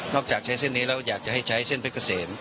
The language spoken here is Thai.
จากใช้เส้นนี้แล้วอยากจะให้ใช้เส้นเพชรเกษม